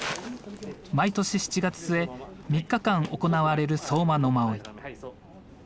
毎年７月末３日間行われる相馬野馬追。